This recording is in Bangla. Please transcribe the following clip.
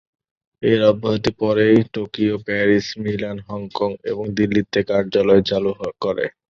এর অব্যবহিত পরেই টোকিও, প্যারিস, মিলান, হংকং এবং দিল্লিতে কার্যালয় চালু করে।